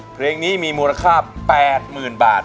เพลงนี้มีมูลค่า๘หมื่นบาท